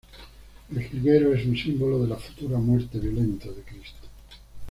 El jilguero es un símbolo de la futura muerte violenta de Cristo.